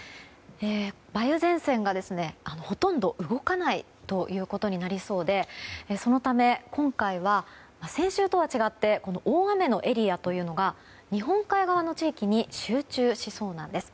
梅雨前線がほとんど動かないということになりそうでそのため、今回は先週とは違って大雨のエリアというのが日本海側の地域に集中しそうなんです。